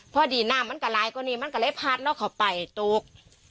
พอดีน้ำมันก็หลายกว่านี้มันก็เลยพัดแล้วเข้าไปตก